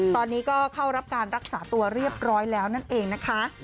ตอนนี้ก็เข้ารับการรักษาตัวเรียบร้อยแล้วนั่นเองนะคะ